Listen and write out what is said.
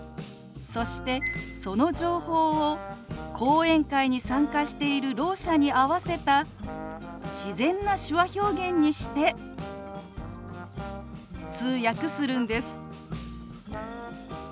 そしてその情報を講演会に参加しているろう者に合わせた自然な手話表現にして通訳するんです。